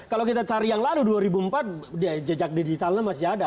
kalau kita cari yang lalu dua ribu empat jejak digitalnya masih ada